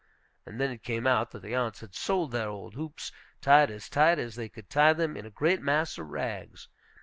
And then it came out that the aunts had sold their old hoops, tied as tight as they could tie them, in a great mass of rags.